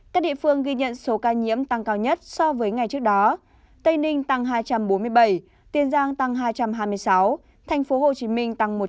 các địa phương ghi nhận số ca nhiễm tăng cao nhất so với ngày trước đó tây ninh tăng hai trăm bốn mươi bảy tiền giang tăng hai trăm hai mươi sáu tp hcm tăng một trăm linh